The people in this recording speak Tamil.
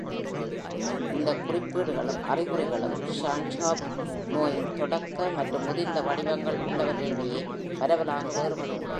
இந்த குறிப்பீடுகளும் அறிகுறிகளும் சாண்ட்ஹாஃப் நோயின் தொடக்க மற்றும் முதிர்ந்த வடிவங்கள் உள்ளவர்களிடையே பரவலாக வேறுபடுகின்றன.